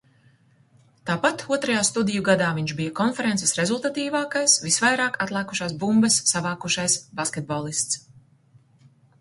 Tāpat otrajā studiju gadā viņš bija konferences rezultatīvākis, visvairāk atlēkušās bumbas savākušais basketbolists.